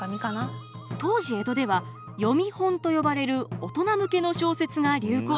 当時江戸では読本と呼ばれる大人向けの小説が流行。